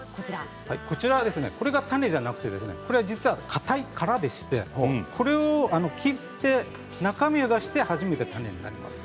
こちらが種じゃなくてかたい殻でしてこれを切って中身を出して初めて種になります。